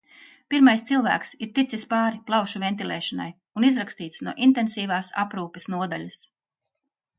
Pirmais cilvēks ir ticis pāri plaušu ventilēšanai un izrakstīts no intensīvās aprūpes nodaļas.